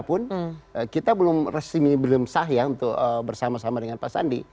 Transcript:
walaupun kita belum resmi belum sah ya untuk bersama sama dengan pak sandi